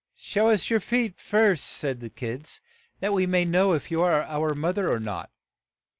"Show us your feet first," said the kids, "that we may know if you are our mother or not."